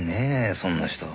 そんな人。